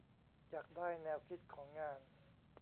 อยากได้แนวคิดของงาน